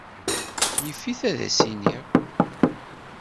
Yif-it ad as-iniɣ.